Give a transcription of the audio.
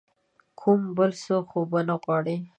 کوم بل څه خو به نه غواړې ؟